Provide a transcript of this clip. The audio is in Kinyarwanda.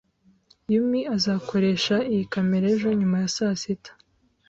Yumi azakoresha iyi kamera ejo nyuma ya saa sita.